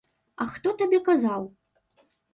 А хто табе казаў?